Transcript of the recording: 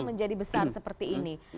menjadi besar seperti ini